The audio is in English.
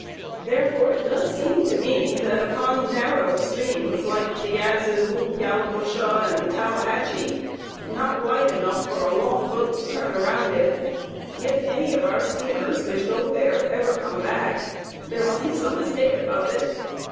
Therefore it does seem to me that upon narrow streams like the Yazoo, Yallabusha, and Tallahatchie, not wide enough for a long boat to turn around in, if any of our steamers which go there ever come back, there must be some mistake about it.